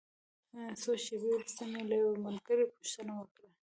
څو شېبې وروسته مې له یوه ملګري پوښتنه وکړه.